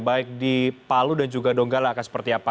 baik di palu dan juga donggala akan seperti apa